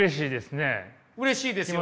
うれしいですよね。